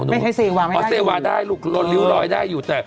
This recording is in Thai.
ไม่ใช้เซวาไม่ได้อยู่อ๋อเซวาได้ลูกลิ้วลอยได้อยู่